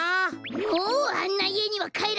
もうあんないえにはかえらないぞ！